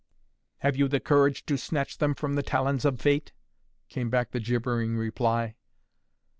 "Have you the courage to snatch them from the talons of Fate?" came back the gibbering reply.